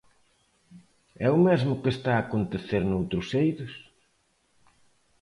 ¿É o mesmo que está a acontecer noutros eidos?